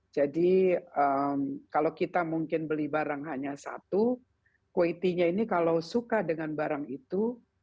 jadi kalau kita mungkin beli barang hanya satu kuwaitinya ini kalau suka dengan barang itu